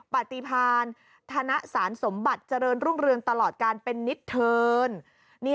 ปฏิพาณธนสารสมบัติเจริญรุ่งเรืองตลอดการเป็นนิทเทิร์น